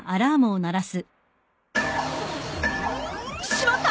しまった！